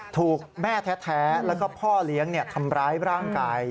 ถูกแม่แท้แล้วก็พ่อเลี้ยงทำร้ายร่างกาย